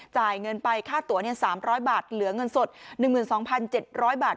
จ่ายเงินไปค่าตัว๓๐๐บาทเหลือเงินสด๑๒๗๐๐บาท